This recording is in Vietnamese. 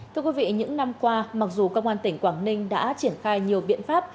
thưa quý vị những năm qua mặc dù công an tỉnh quảng ninh đã triển khai nhiều biện pháp